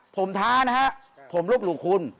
ผมท้านะฮะผมลบหลู่คุณ